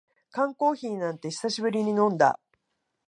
缶コーヒーなんて久しぶりに飲んだ